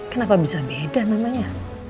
kenapa bisa beda namanya